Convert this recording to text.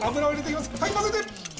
はいまぜて！